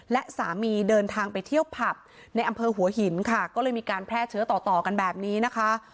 และสามีเดินทางไปเที่ยวผับในอำเภอหัวหินค่ะก็เลยมีการแพร่เชื้อต่อต่อกันแบบนี้นะคะ